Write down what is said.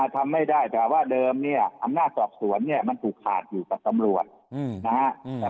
ทำไม่ได้แต่ว่าเดิมเนี่ยอำนาจสอบสวนเนี่ยมันผูกขาดอยู่กับตำรวจนะฮะ